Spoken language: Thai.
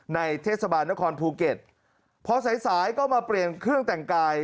ในเทศบาลนครภูเก็ตพอสายสายก็มาเปลี่ยนเครื่องแต่งกาย